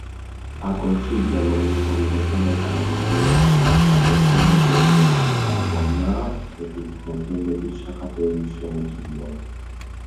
আকস্মিক জলবায়ু পরিবর্তনের কারণ হলো হঠাৎ আবর্তনের পরিবর্তন যা বন্যা কর্তৃক নদীর নতুন শাখা তৈরির সমতুল্য।